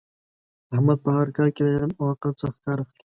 احمد په هر کار کې له علم او عقل څخه کار اخلي.